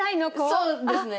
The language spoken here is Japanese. そうですね。